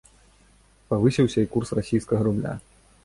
Павысіўся і курс расійскага рубля.